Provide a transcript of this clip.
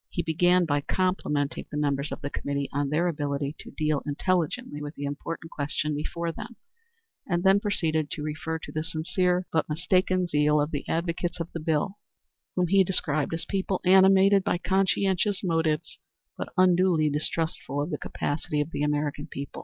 He began by complimenting the members of the committee on their ability to deal intelligently with the important question before them, and then proceeded to refer to the sincere but mistaken zeal of the advocates of the bill, whom he described as people animated by conscientious motives, but unduly distrustful of the capacity of the American people.